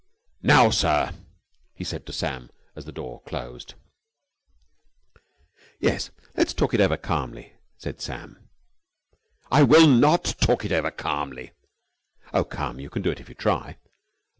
"Now, sir!" he said to Sam, as the door closed. "Yes, let's talk it over calmly," said Sam. "I will not talk it over calmly!" "Oh, come! You can do it if you try."